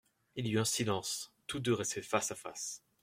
Il y eut un silence, toutes deux restaient face à face.